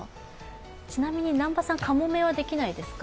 ちなみに南波さん、かもめはできないですか？